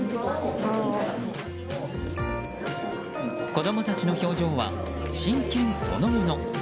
子供たちの表情は真剣そのもの。